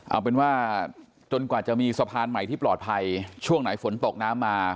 เอาเป็นว่าจนกว่าจะมีสะพานใหม่ที่ปลอดภัยช่วงไหนฝนตกน้ำมา